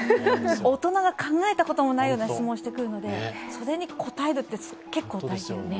大人が考えたこともないような質問をしてくるので、それに答えるって結構大変。